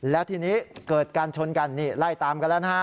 แล้วทีนี้เกิดการชนกันนี่ไล่ตามกันแล้วนะฮะ